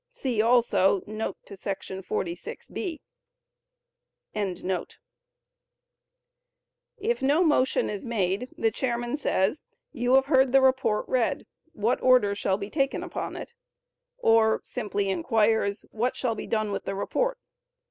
[See also note to § 46 (b).]] If no motion is made, the chairman says, "You have heard the report read—what order shall be taken upon it?" Or simply inquires, "What shall be done with the report?"